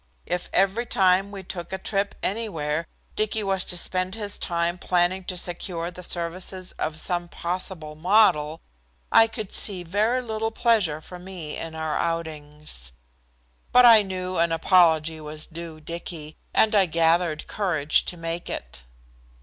If every time we took a trip anywhere, Dicky was to spend his time planning to secure the services of some possible model I could see very little pleasure for me in our outings. But I knew an apology was due Dicky, and I gathered courage to make it.